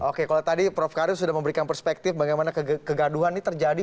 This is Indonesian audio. oke kalau tadi prof karim sudah memberikan perspektif bagaimana kegaduhan ini terjadi